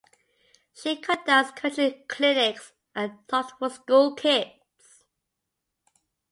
She conducts coaching clinics and talks for school kids.